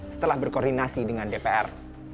setelah berkoordinasi dengan dpr